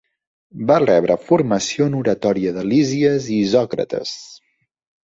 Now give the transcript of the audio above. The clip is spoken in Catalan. Va rebre formació en oratòria de Lísies i Isòcrates.